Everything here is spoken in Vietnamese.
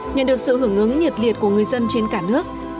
nhận được sự hưởng ứng nhiệt liệt của người dân trên cả nước